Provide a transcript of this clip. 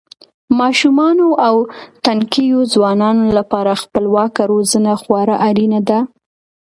ماشومانو او تنکیو ځوانانو لپاره خپلواکه روزنه خورا اړینه ده.